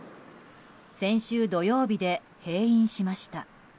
先週土曜日で閉院しました。